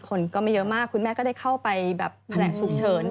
คนก็ไม่เยอะมากคุณแม่ก็ได้เข้าไปแบบแผนกฉุกเฉิน